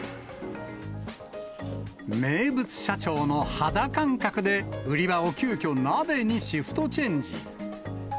名物社長の肌感覚で、売り場を急きょ、鍋にシフトチェンジ。